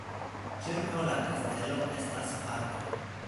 Ĉirkaŭ la kastelo estas parko.